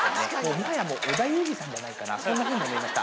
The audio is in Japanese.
もはや織田裕二さんじゃないかな、そんなふうに思いました。